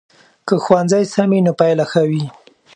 که ښوونځی سم وي نو پایله ښه وي.